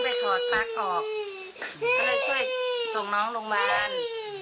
แล้วก็ช่วยข้องน้องลงบ้าน